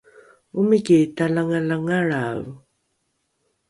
omiki talangalangalrae